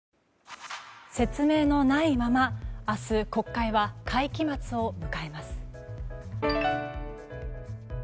説明のないまま明日、国会は会期末を迎えます。